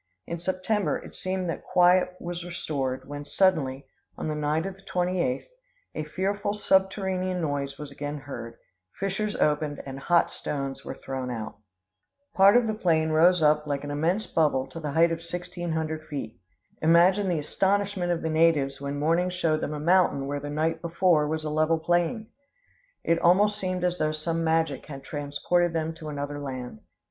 In September it seemed that quiet was restored, when suddenly, on the night of the 28th, a fearful subterranean noise was again heard; fissures opened, and hot stones were thrown out. Part of the plain rose up like [Illustration: JORULLO.] an immense bubble to the height of sixteen hundred feet. Imagine the astonishment of the natives when morning showed them a mountain where the night before was a level plain! It almost seemed as though some magic had transported them to another land.